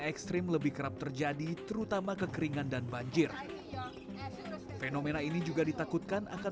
ekstrim lebih kerap terjadi terutama kekeringan dan banjir fenomena ini juga ditakutkan akan